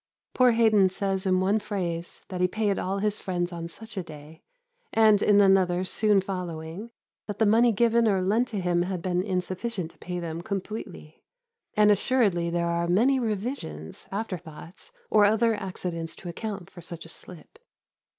Poor Haydon says in one phrase that he paid all his friends on such a day, and in another soon following that the money given or lent to him had been insufficient to pay them completely; and assuredly there are many revisions, after thoughts, or other accidents to account for such a slip.